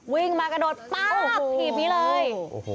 วิ่งมากระโดดป๊าบถีบนี้เลย